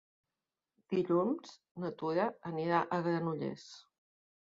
Dilluns na Tura anirà a Granollers.